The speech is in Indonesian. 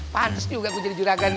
pantes juga gue jadi juragan ya